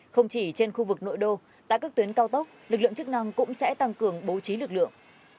không chỉ trên khu vực nội đô tại các tuyến cao tốc lực lượng chức năng cũng sẽ tăng cường bố trí lực lượng